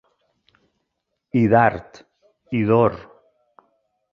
I d'art. I d'or.